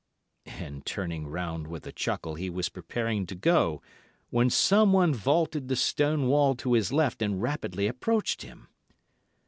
And turning round with a chuckle, he was preparing to go, when someone vaulted the stone wall to his left and rapidly approached him.